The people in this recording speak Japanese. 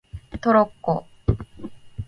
トロッコ